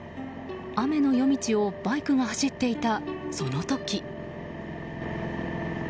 雨の夜道をバイクが走っていた、その時。